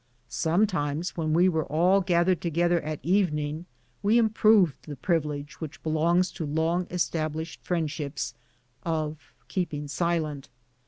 Sometimes, when we were all gathered to gether at evening, we improved the privilege which belongs to long established friendships of keeping si lent.